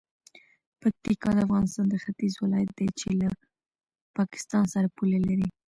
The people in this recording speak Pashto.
پکتیکا د افغانستان د ختیځ ولایت دی چې له پاکستان سره پوله لري.